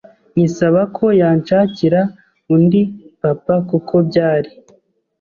nyisaba ko yanshakira undi papa kuko byari